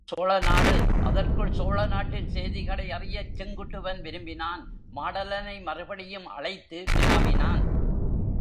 சோழ நாடு அதற்குள் சோழ நாட்டின் சேதிகளை அறியச் செங் குட்டுவன் விரும்பினான் மாடலனை மறுபடியும் அழைத்து வினாவினான்.